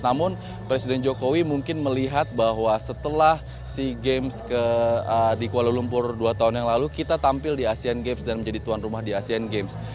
namun presiden jokowi mungkin melihat bahwa setelah sea games di kuala lumpur dua tahun yang lalu kita tampil di asean games dan menjadi tuan rumah di asean games